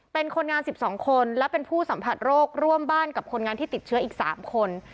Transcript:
เป็นคนงาน๑๒คนและเป็นผู้สัมผัสโรคร่วมบ้านกับคนงานที่ติดเชื้ออีก๓คน